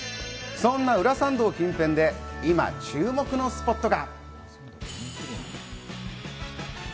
そんな裏参道周辺で今、注目のスポットが。